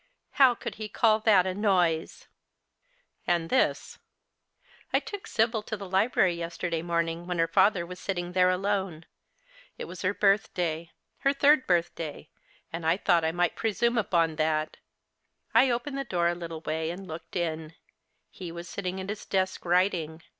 Plow could he call that a noise !" And this: "I took Sibyl to the library yesterday morning when her father was sitting there alone. It 40 The Chklstmas Hirelings. ^^as her birthday— her third birthday— and I thought I might presume upon that. I opened the door a little way and looked in. He was sitting at his desk writing.